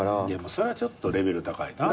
それはちょっとレベル高いな。